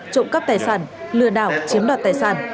trộm cắp tài sản lừa đảo chiếm đoạt tài sản